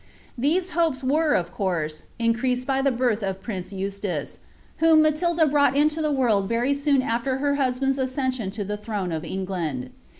These hopes were, of course, increaMj by the birth of prince Enstnce, whom Matilda brought into the world Tory soon after her hiwhanU's accession lo the throne of EngUnJ.